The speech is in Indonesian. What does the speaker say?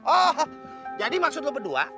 oh jadi maksud lu berdua